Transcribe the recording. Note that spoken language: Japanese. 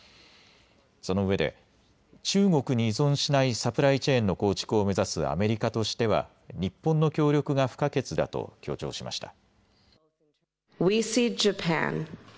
そのうえで中国に依存しないサプライチェーンの構築を目指すアメリカとしては日本の協力が不可欠だと強調しました。